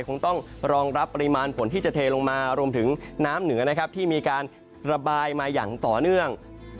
คงต้องรองรับปริมาณฝนที่จะเทลงมารวมถึงน้ำเหนือนะครับที่มีการระบายมาอย่างต่อเนื่อง